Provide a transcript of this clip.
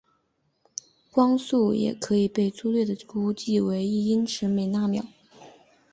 光速也可以被初略地估计为一英尺每纳秒。